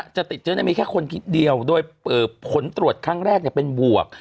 จะติดเชื้อมีแค่คนคิดเดียวโดยผลตรวจครั้งแรกเป็นบวก